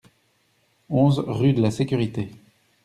onze rue de la Sécurité